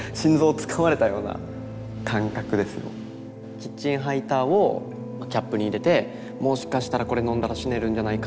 キッチンハイターをキャップに入れてもしかしたらこれ飲んだら死ねるんじゃないか。